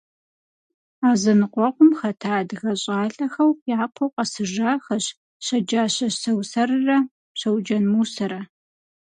А зэныкъуэкъум хэта адыгэ щӏалэхэу япэу къэсыжахэщ Щэджащэ Сэусэррэ Щэуджэн Мусэрэ.